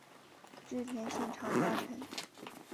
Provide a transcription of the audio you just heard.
织田信长家臣。